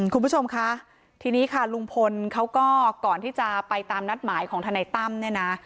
คุณผู้ชมคะทีนี้ค่ะลุงพลเขาก็ก่อนที่จะไปตามนัดหมายของทนายตั้มเนี่ยนะ